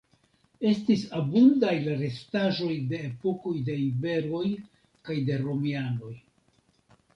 Estis abundaj la restaĵoj de epokoj de iberoj kaj de romianoj.